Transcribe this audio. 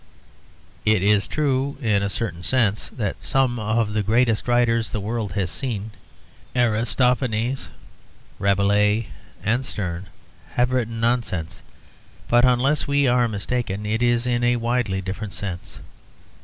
It is true in a certain sense that some of the greatest writers the world has seen Aristophanes, Rabelais and Sterne have written nonsense; but unless we are mistaken, it is in a widely different sense.